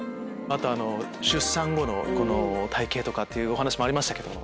あと出産後の体形っていうお話もありましたけど。